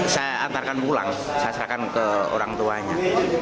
saya antarkan pulang saya serahkan ke orang tuanya